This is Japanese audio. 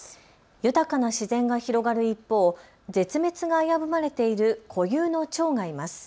豊かな自然が広がる一方、絶滅が危ぶまれている固有のチョウがいます。